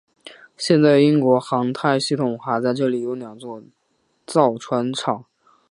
现在英国航太系统还在这里有两座造船厂。